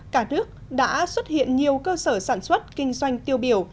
cả nước đã xuất hiện nhiều cơ sở sản xuất kinh doanh tiêu biểu